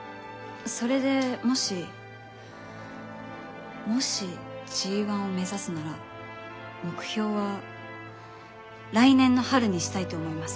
それでもしもしＧⅠを目指すなら目標は来年の春にしたいと思います。